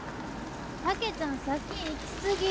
たけちゃん先行きすぎ。